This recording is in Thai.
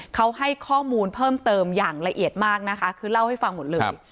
เขาให้ข้อมูลเพิ่มเติมอย่างละเอียดมากนะคะคือเล่าให้ฟังหมดเลย